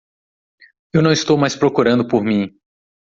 Eu não estou mais procurando por mim.